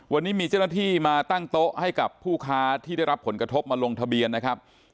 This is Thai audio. วันนี้มีเจ้าหน้าที่มาตั้งโต๊ะให้กับผู้ค้าที่ได้รับผลกระทบมาลงทะเบียนนะครับ